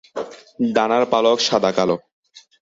ডানার পালক সাদা কালো।